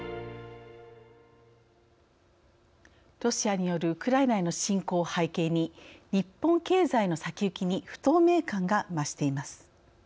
ロシアによるウクライナへの侵攻を背景に日本経済の先行きに不透明感が増しています。